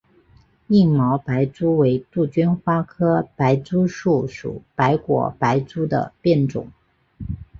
硬毛白珠为杜鹃花科白珠树属白果白珠的变种。